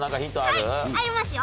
はいありますよ。